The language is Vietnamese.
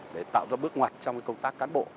để tạo ra bước ngoặt trong công tác cán bộ